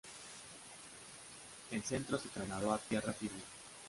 El centro se trasladó a tierra firme.